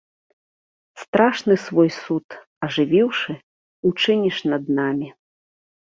Страшны свой суд, ажывіўшы, учыніш над намі.